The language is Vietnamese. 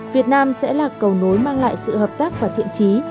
việt nam sẽ là cầu nối mang lại sự hợp tác và thiện trí